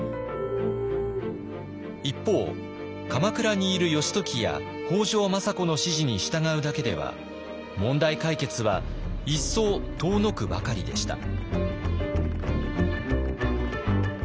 一方鎌倉にいる義時や北条政子の指示に従うだけでは問題解決は一層遠のくばかりでした。